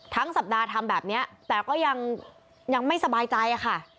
สัปดาห์ทำแบบนี้แต่ก็ยังไม่สบายใจค่ะ